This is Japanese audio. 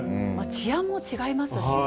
治安も違いますしね。